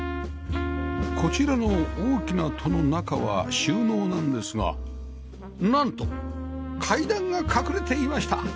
こちらの大きな戸の中は収納なんですがなんと階段が隠れていました！